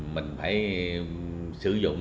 mình phải sử dụng